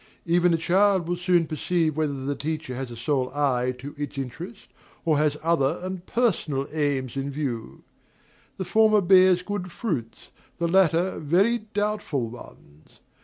Even a child will soon perceive whether the teacher has a sole eye to its interest, or has other and personal aims in view. The former bears good fruits, the latter very doubtful ones.